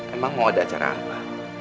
emang mau ada acara apa